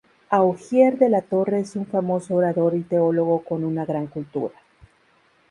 Augier de la Torre es un famoso orador y teólogo con una gran cultura.